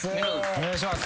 お願いします。